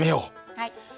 はい。